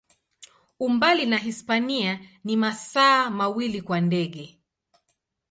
Umbali na Hispania ni masaa mawili kwa ndege.